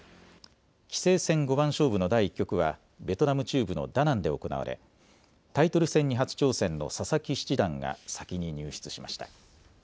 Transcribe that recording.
棋聖戦五番勝負の第１局はベトナム中部のダナンで行われタイトル戦に初挑戦の佐々木七段が先に入室しました。